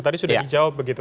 tadi sudah dijawab begitu